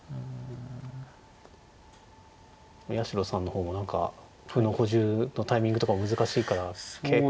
八代さんの方も何か歩の補充のタイミングとか難しいから結構。